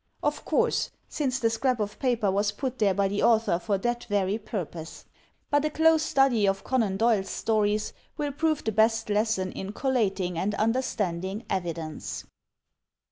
Of course; since the scrap of paper was put there by the author for that very purpose. But a close study of Conan Doyle's stories will prove the best lesson in collating and understanding evidence.